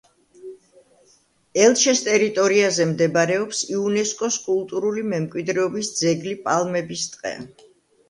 ელჩეს ტერიტორიაზე მდებარეობს იუნესკოს კულტურული მემკვიდრეობის ძეგლი პალმების ტყე.